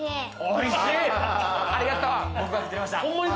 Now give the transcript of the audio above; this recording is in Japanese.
おいしい！